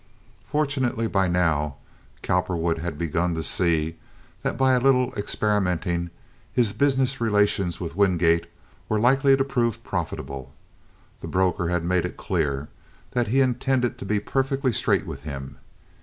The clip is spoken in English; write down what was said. Fortunately by now Cowperwood had begun to see that by a little experimenting his business relations with Wingate were likely to prove profitable. The broker had made it clear that he intended to be perfectly straight with him.